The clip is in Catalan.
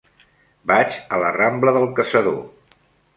Vaig a la rambla del Caçador.